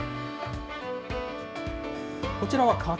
こちらは柿。